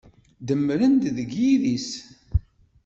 Demmren-d deg yidis.